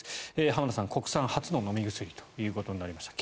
浜田さん、国産初の飲み薬ということになりました。